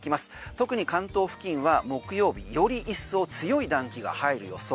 特に関東付近は木曜日より一層強い暖気が入る予想。